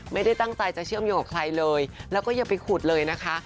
ไม่ได้ตั้งใจจะเชื่อมโยงกับใครเลยแล้วก็อย่าไปขุดเลยนะคะ